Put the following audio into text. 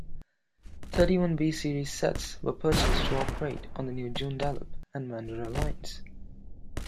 Thirty-one B-series sets were purchased to operate on the new Joondalup and Mandurah lines.